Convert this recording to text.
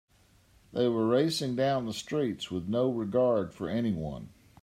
They were racing down the streets with no regard for anyone.